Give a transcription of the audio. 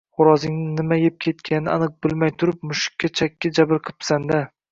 Xo‘rozingni nima yeb ketganini aniq bilmay turib, mushukka chakki jabr qipsan-da